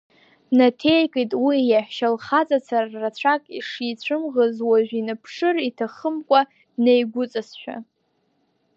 Наҭеикит уи, иаҳәшьа лхаҵацара рацәак ишицәымӷыз уажә иныԥшыр иҭахымкәа, днаигәыҵасшәа.